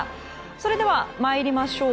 それでは、参りましょう。